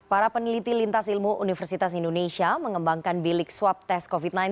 para peneliti lintas ilmu universitas indonesia mengembangkan bilik swab tes covid sembilan belas